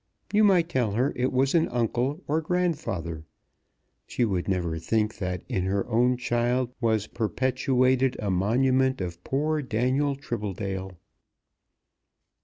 You might tell her it was an uncle or grandfather. She would never think that in her own child was perpetuated a monument of poor Daniel Tribbledale."